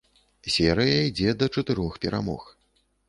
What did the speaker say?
Серыя ідзе да чатырох перамог.